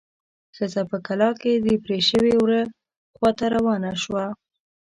ښځه په کلا کې د پرې شوي وره خواته روانه شوه.